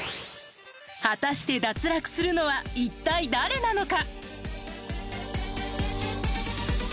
果たして脱落するのは一体誰なのか？